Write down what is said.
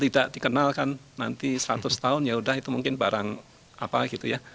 tidak dikenalkan nanti seratus tahun ya udah itu mungkin barang apa gitu ya